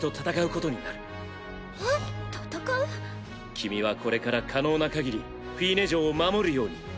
君はこれから可能なかぎりフィーネ嬢を守るように。